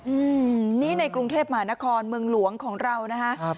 อืมนี่ในกรุงเทพมหานครเมืองหลวงของเรานะฮะครับ